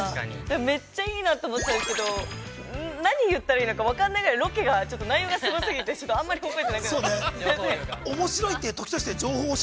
めっちゃいいなと思ったんですけど、何言ったらいいのか分からないぐらいロケがちょっと内容がすご過ぎて、あんまり覚えてないけど。